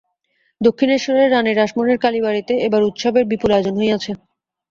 দক্ষিণেশ্বরে রাণী রাসমণির কালীবাড়ীতে এবার উৎসবের বিপুল আয়োজন হইয়াছে।